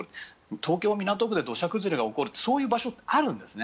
東京・港区で土砂崩れが起きるってそういう場所があるんですね。